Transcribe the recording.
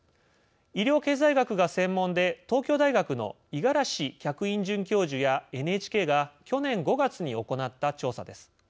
医療経済学が専門で東京大学の五十嵐客員准教授やＮＨＫが去年５月に行った調査です。